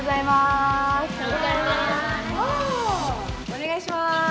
おねがいします！